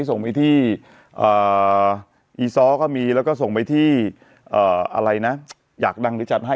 ส่งไปที่อีซ้อก็มีแล้วก็ส่งไปที่อะไรนะอยากดังหรือจัดให้